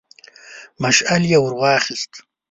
مشعل يې ور واخيست.